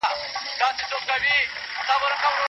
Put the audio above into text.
چي جانان مري دى روغ رمټ دئی لېونى نـه دئ